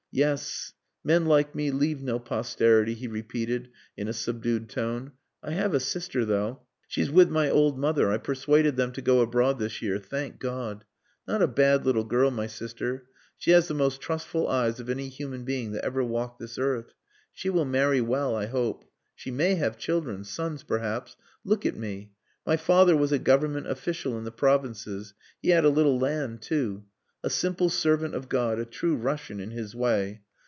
"Yes. Men like me leave no posterity," he repeated in a subdued tone, "I have a sister though. She's with my old mother I persuaded them to go abroad this year thank God. Not a bad little girl my sister. She has the most trustful eyes of any human being that ever walked this earth. She will marry well, I hope. She may have children sons perhaps. Look at me. My father was a Government official in the provinces, He had a little land too. A simple servant of God a true Russian in his way.